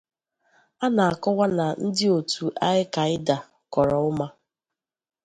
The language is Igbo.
A na-akọwa na ndị otu Al-Kaịda koro Umar